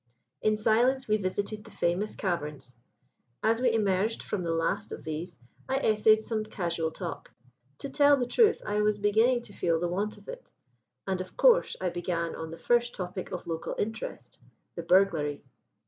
"In silence we visited the famous caverns. As we emerged from the last of these I essayed some casual talk. To tell the truth, I was beginning to feel the want of it, and of course I began on the first topic of local interest the burglary.